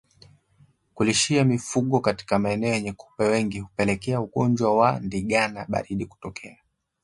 Kulishia mifugo katika maeneo yenye kupe wengi hupelekea ugonjwa wa ndigana baridi kutokea